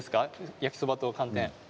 焼きそばと寒天。